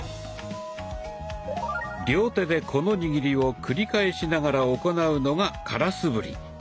両手でこの握りを繰り返しながら行うのが「空素振り」。